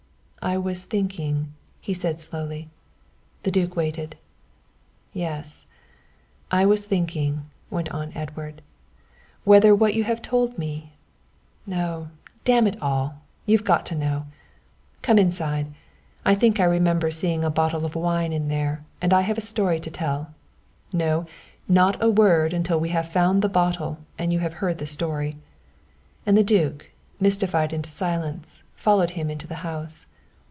"I was thinking," he said slowly. The duke waited. " Yes, I was thinking," went on Edward, "whether what you have told me oh, damn it all, you've got to know. Come inside, I think I remember seeing a bottle of wine in there, and I have a story to tell no, not a word until we have found the bottle and you have heard the story." And the duke, mystified into silence, followed him into the house.